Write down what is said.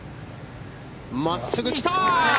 まっすぐ来た！